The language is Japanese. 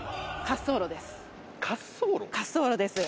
滑走路です。